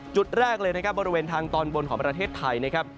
จุดแรกเลยนะครับบริเวณทางตอนบนของประเทศไทยนะครับ